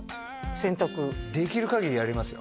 洗濯できるかぎりやりますよ